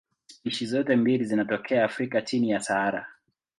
Spishi zote mbili zinatokea Afrika chini ya Sahara.